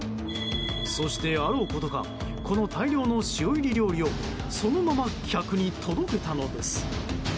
そして、あろうことかこの大量の塩入り料理をそのまま客に届けたのです。